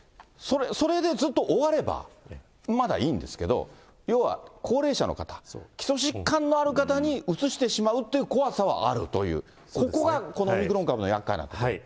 それでずっと終われば、まだいいんですけど、要は高齢者の方、基礎疾患のある方にうつしてしまうという怖さはあるという、ここがこのオミクロン株のやっかいなところ。